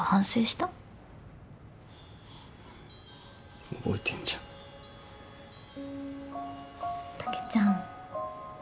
たけちゃん。